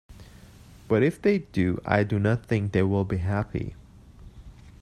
But if they do, I do not think they will be happy.